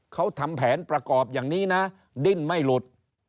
เขาทำแผนประกอบอย่างนี้นะดิ้นไม่หลุด